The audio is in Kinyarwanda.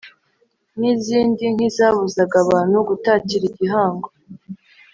n’izindi nk’izabuzaga abantu gutatira igihango.